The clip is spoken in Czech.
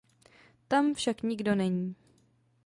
Tam však nikdo není.